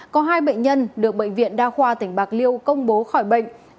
có hai bệnh nhân được bệnh viện đa khoa tỉnh bạc liêu công bố khỏi bệnh